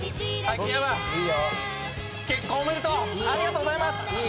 ありがとうございます。